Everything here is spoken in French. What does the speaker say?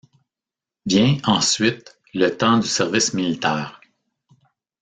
Vient, ensuite, le temps du service militaire.